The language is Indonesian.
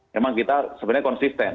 memang kita sebenarnya konsisten